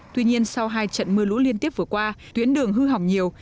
tuy nhiên sau hai trận mưa lũ liên tiếp vừa qua tuyến đường hư hỏng nhiều